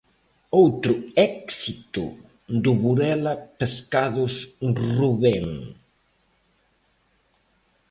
Outro éxito do Burela Pescados Rubén.